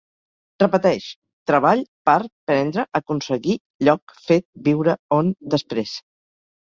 Repeteix: treball, part, prendre, aconseguir, lloc, fet, viure, on, després